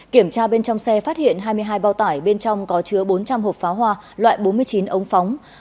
kiểm tra bên trong xe phát hiện hai mươi hai bao tải bên trong có chứa bốn trăm linh hộp pháo hoa loại bốn mươi chín ống phóng